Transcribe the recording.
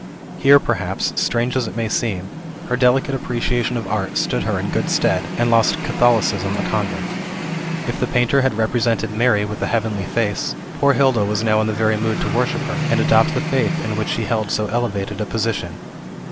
Here, perhaps, strange as it may seem, her delicate appreciation of art stood her in good stead, and lost Catholicism a convert. If the painter had represented Mary with a heavenly face, poor Hilda was now in the very mood to worship her, and adopt the faith in which she held so elevated a position.